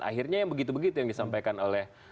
akhirnya yang begitu begitu yang disampaikan oleh